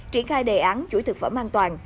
triển khai đề án chuỗi thực phẩm an toàn